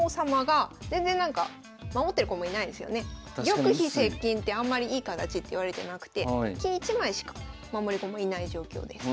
玉飛接近ってあんまりいい形っていわれてなくて金１枚しか守り駒いない状況です。